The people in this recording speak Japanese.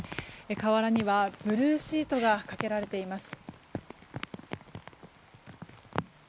瓦にはブルーシートがかけられています。